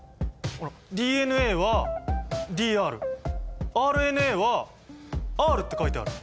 ＤＮＡは「ｄＲ」ＲＮＡは「Ｒ」って書いてある！